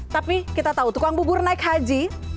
tapi kita tahu tukang bubur naik haji